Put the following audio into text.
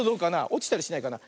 おちたりしないかな。